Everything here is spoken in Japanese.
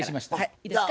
いいですか？